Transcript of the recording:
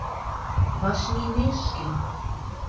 Вашлиймешке.